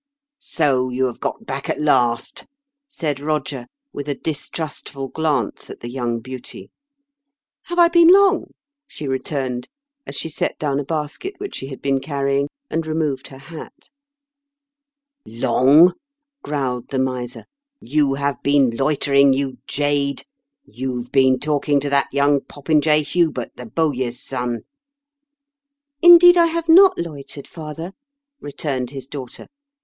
"So you have got back at last!" said Eoger, with a distrustful glance at the young beauty. Have I been long ?" she returned, as she set down a basket which she had been carry ing, and removed her hat. A LEGEND OF QUNDULPE'S TOWER. 89 "Long!" growled the miser. *' You have been loitering, you jade I You have been talking to that young popinjay, Hubert, the bowyer's son." "Indeed I have not loitered, father," re turned his daughter.